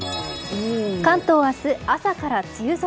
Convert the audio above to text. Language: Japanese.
関東明日、朝から梅雨空。